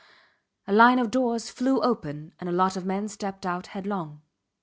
A line of doors flew open and a lot of men stepped out headlong.